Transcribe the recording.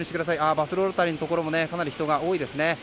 バスロータリーのところもかなり人が多いですね。